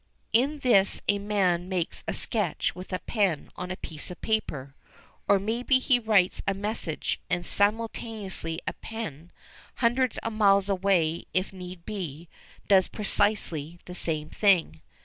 In this a man makes a sketch with a pen on a piece of paper, or maybe he writes a message, and simultaneously a pen, hundreds of miles away if need be, does precisely the same thing.